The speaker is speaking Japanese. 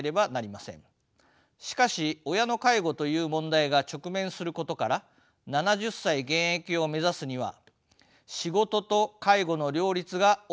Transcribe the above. しかし親の介護という問題が直面することから７０歳現役を目指すには仕事と介護の両立が大きな課題となります。